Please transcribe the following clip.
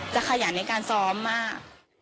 ขยันในการซ้อมมาก